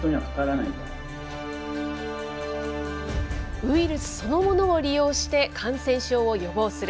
ウイルスそのものを利用して、感染症を予防する。